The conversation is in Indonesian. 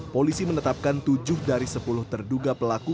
polisi menetapkan tujuh dari sepuluh terduga pelaku